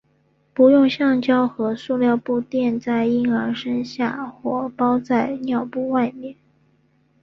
不用橡胶和塑料布垫在婴儿身下或包在尿布外面。